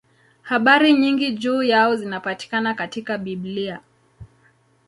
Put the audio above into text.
Habari nyingi juu yao zinapatikana katika Biblia.